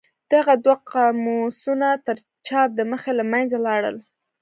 دغه دوه قاموسونه تر چاپ د مخه له منځه لاړل.